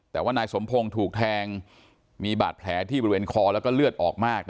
แต่ว่านายสมพงศ์ถูกแทงมีบาดแผลที่บริเวณคอแล้วก็เลือดออกมาก